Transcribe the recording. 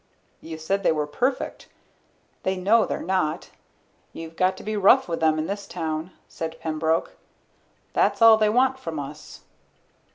"You said they were perfect. They know they're not. You've got to be rough with them in this town," said Pembroke. "That's all they want from us."